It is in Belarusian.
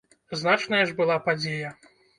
Значная ж была падзея!